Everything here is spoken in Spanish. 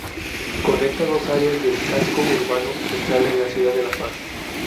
Conecta dos áreas del Casco Urbano Central en la ciudad de La Paz.